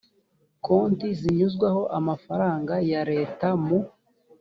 konti zinyuzwaho amafaranga ya leta mu